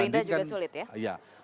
gerinda juga sulit ya